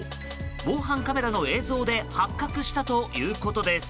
防犯カメラの映像で発覚したということです。